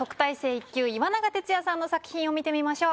１級岩永徹也さんの作品を見てみましょう。